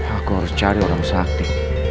aku harus cari orang sakti